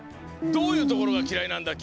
どういうところがきらいなんだ？